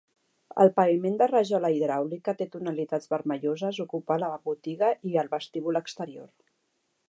El paviment de rajola hidràulica de tonalitats vermelloses ocupa la botiga i el vestíbul exterior.